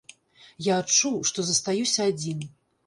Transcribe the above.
Я адчуў, што застаюся адзін.